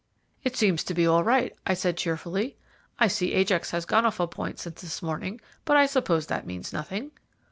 "It seems to be all right," I said cheerfully. "I see Ajax has gone off a point since this morning, but I suppose that means nothing?"